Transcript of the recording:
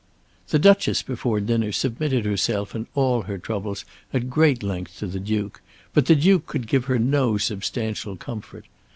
The Duchess before dinner submitted herself and all her troubles at great length to the Duke, but the Duke could give her no substantial comfort.